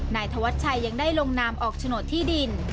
นายธวัชชัยยังได้ลงนามออกโฉนดที่ดิน